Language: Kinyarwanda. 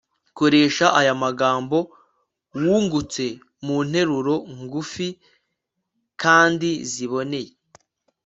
koresha aya magambo wungutse mu nteruro ngufi kandiziboneye